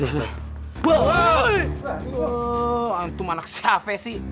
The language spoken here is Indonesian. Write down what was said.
itu mana si hv sih